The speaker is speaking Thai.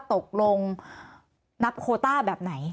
ตกลงนับโคต้าแบบไหน